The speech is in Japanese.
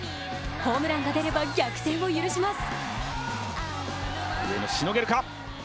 ホームランが出れば逆転を許します。